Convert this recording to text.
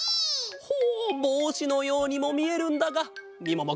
ほうぼうしのようにもみえるんだがみももくんハズレット！